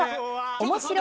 おもしろ